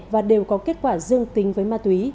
và đều có kết quả dương tính với ma túy